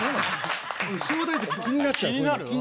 正代関、気になっちゃう。